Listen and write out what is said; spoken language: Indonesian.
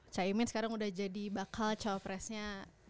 caimin sekarang udah jadi bakal cowok presnya